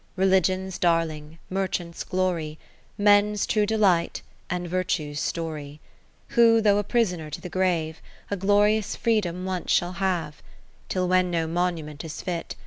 Religion's darling, merchants' glory, Men's true delight, and Virtue's story ; (55O Who, though a prisoner to the grave, A glorious freedom once shall have : Till when no monument is fit.